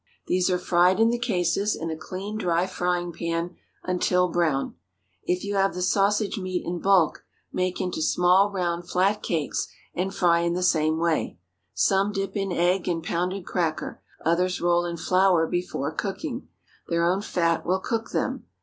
These are fried in the cases, in a clean, dry frying pan, until brown. If you have the sausage meat in bulk, make into small, round flat cakes, and fry in the same way. Some dip in egg and pounded cracker—others roll in flour before cooking. Their own fat will cook them.